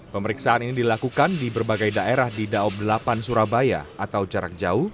pemeriksaan ini dilakukan di berbagai daerah di daob delapan surabaya atau jarak jauh